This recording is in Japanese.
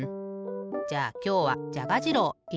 じゃあきょうはじゃがじろういってくれ。